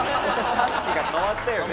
タッチが変わったよね。